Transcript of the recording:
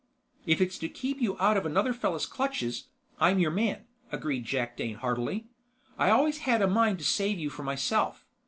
"If it's to keep you out of another fellow's clutches, I'm your man," agreed Jakdane heartily. "I always had a mind to save you for myself.